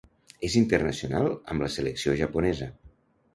És internacional amb la selecció japonesa.